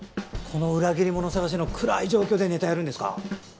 この裏切り者捜しの暗い状況でネタやるんですか？